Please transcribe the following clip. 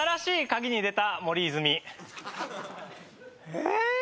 え⁉